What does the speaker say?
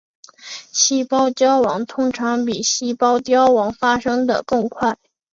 细胞焦亡通常比细胞凋亡发生的更快。